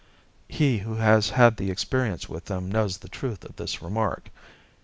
He who has had experience with them knows the truth of this remark.